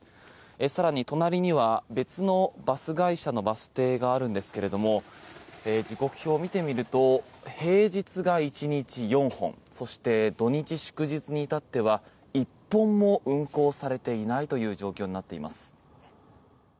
更に、隣には別のバス会社のバス停があるんですけれども時刻表を見てみると平日が１日４本そして、土日祝日に至っては１本も運行されていないという状況になっています。